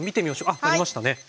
あっ鳴りましたね。